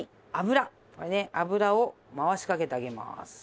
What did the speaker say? これね油を回しかけてあげます。